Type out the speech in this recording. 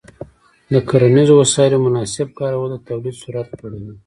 د کرنیزو وسایلو مناسب کارول د تولید سرعت لوړوي.